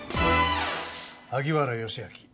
萩原義明。